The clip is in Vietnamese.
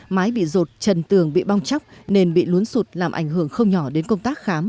mái bị rột trần tường bị bong chóc nên bị luốn sụt làm ảnh hưởng không nhỏ đến công tác khám